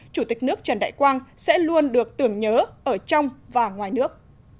chủ tịch nước trần đại quang sẽ luôn được tưởng nhớ ở trong và ngoài nước